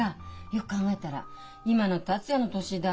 よく考えたら今の達也の年だ。